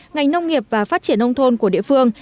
ngành nông nghiệp và phát triển nông thôn của địa phương